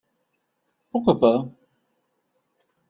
Pourquoi pas ?